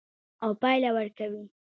او پایله ورکوي.